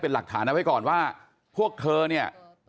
เป็นหลักฐานเอาไว้ก่อนว่าพวกเธอเนี่ย